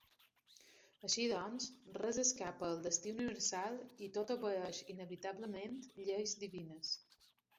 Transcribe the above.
Així doncs, res escapa al destí universal i tot obeeix inevitablement lleis divines.